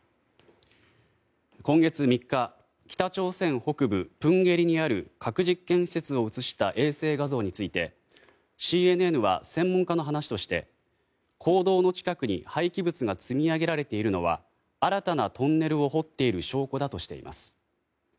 今月３日北朝鮮北部プンゲリにある核実験施設を写した衛星画像についてＣＮＮは専門家の話として坑道の近くに廃棄物が積み上げられているのは新たなトンネルを掘っている証拠だとしています。